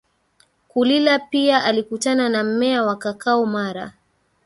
kulila Pia alikutana na mmea wa kakao mara